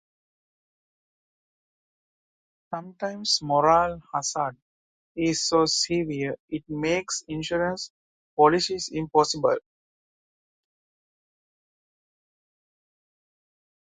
Sometimes moral hazard is so severe it makes insurance policies impossible.